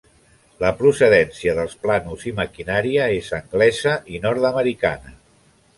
La procedència dels plànols i maquinària és anglesa i nord-americana.